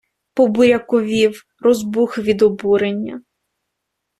Побуряковів, розбух від обурення.